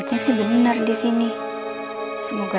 teper ni pantek